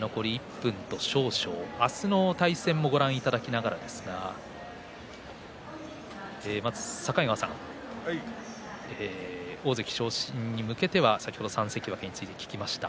明日の対戦もご覧いただきながらですが境川さん大関昇進に向けては先ほどの３関脇について聞きました。